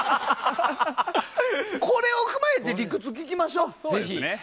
これを踏まえて理屈聞きましょ。